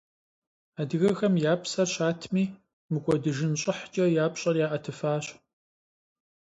Адыгэхэм я псэр щатми, мыкӀуэдыжын щӀыхькӀэ я пщӀэр яӀэтыфащ.